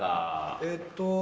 えっと。